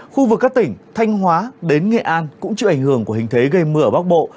khu vực các tỉnh thanh hóa đến nghệ an cũng chịu ảnh hưởng của hình thế gây mưa ở bắc bộ